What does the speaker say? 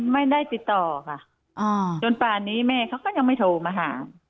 ไม่ได้ติดต่อค่ะจนป่านนี้แม่เขาก็ยังไม่โทรมาหา